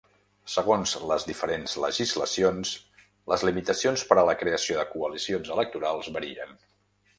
Segons les diferents legislacions, les limitacions per a la creació de coalicions electorals varien.